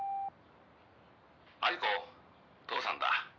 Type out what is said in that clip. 「鮎子父さんだ」